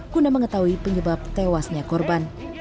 guna mengetahui penyebab tewasnya korban